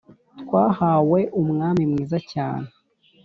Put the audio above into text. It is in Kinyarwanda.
twahawe umwami mwiza cyane